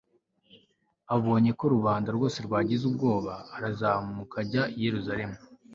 abonye ko rubanda rwose rwagize ubwoba, arazamuka ajya i yeruzalemu